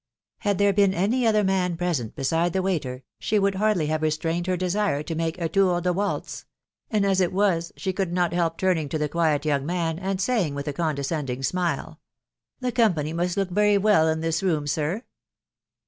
Had Aese been any ether man present beside the waiter, she would hardly have restrained her desire to mas* a tourdvmakz; and, as it was, she could not help turning to the quiet young maw, and saying with a condescending' smifej The company must look very well in this room, sir